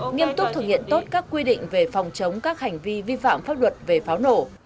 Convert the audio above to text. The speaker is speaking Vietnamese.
nghiêm túc thực hiện tốt các quy định về phòng chống các hành vi vi phạm pháp luật về pháo nổ